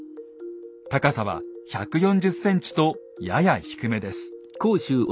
高さは１４０ｃｍとやや低めです。